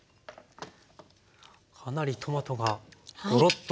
かなりトマトがゴロッと。